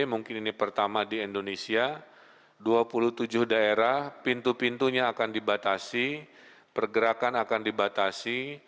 mungkin ini pertama di indonesia dua puluh tujuh daerah pintu pintunya akan dibatasi pergerakan akan dibatasi